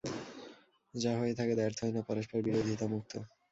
যা হয়ে থাকে দ্ব্যর্থহীন ও পরস্পর বিরোধিতা মুক্ত।